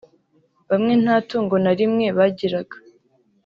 Bamwe nta tungo na rimwe bagiraga